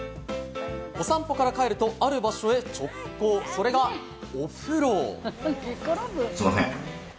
お散歩から帰ると、ある場所へ直行、それがお風呂。